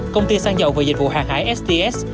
công ty xăng dầu và dịch vụ hàng hải sts